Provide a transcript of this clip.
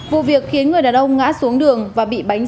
vụ việc khiến người đàn ông ngã xuống đường và bị bánh